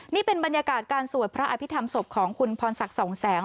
นี่เป็นบรรยากาศการสวดพระอภิษฐรรมศพของคุณพรศักดิ์สองแสง